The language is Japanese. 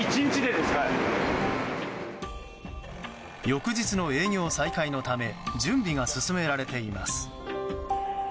翌日の営業再開のため準備が進められています。